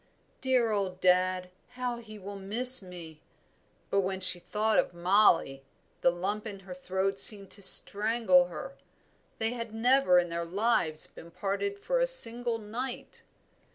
"Dear old dad, how he will miss me!" But when she thought of Mollie the lump in her throat seemed to strangle her: they had never in their lives been parted for a single night.